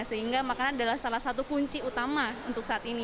sehingga makanan adalah salah satu kunci utama untuk saat ini